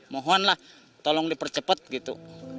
mohonlah tolong dipercepat gitu